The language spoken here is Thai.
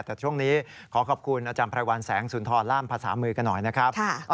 แต่ช่วงนี้ขอขอบคุณอาจารย์ไพรวัลแสงสุนทรล่ามภาษามือกันหน่อยนะครับ